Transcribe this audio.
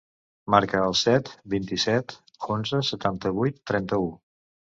Marca el set, vint-i-set, onze, setanta-vuit, trenta-u.